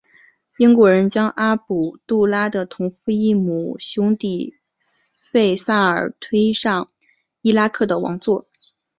英国人将阿卜杜拉的同父异母兄弟费萨尔推上伊拉克的王座。